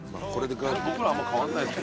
・僕らあんま変わんないです。